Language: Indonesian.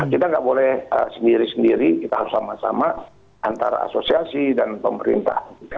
kita nggak boleh sendiri sendiri kita harus sama sama antara asosiasi dan pemerintah